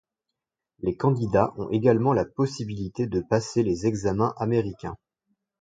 Les candidats ont également la possibilité de passer les examens américains.